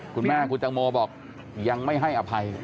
คุณแม่คุณตังโมบอกยังไม่ให้อภัย